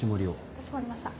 かしこまりました。